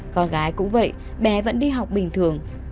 con gái cũng vậy bé vẫn đi học bình thường